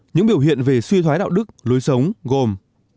những biểu hiện về suy thoái đạo đức lối sống gồm